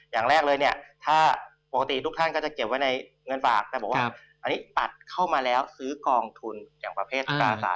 อย่างแรกเลยเนี่ยถ้าปกติทุกท่านก็จะเก็บไว้ในเงินฝากแต่บอกว่าอันนี้ตัดเข้ามาแล้วซื้อกองทุนอย่างประเภทตราสาร